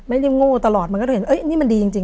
ไม่ได้โง่ตลอดมันก็เห็นเอ๊ะนี่มันดีจริง